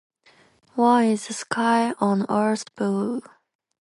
Why is the sky on earth blue ?